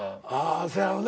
そやろな。